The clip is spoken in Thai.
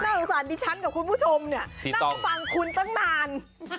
ระตุ้ปงสารที่ฉันกับคุณผู้ชมน่าฟังคุณตั้งนาน